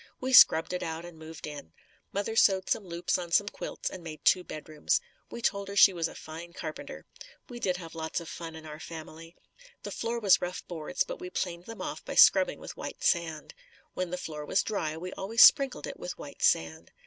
We scrubbed it out and moved in. Mother sewed some loops on some quilts and made two bedrooms. We told her she was a fine carpenter. We did have lots of fun in our family. The floor was rough boards, but we planed them off by scrubbing with white sand. When the floor was dry, we always sprinkled it with white sand.